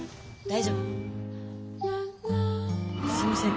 すいません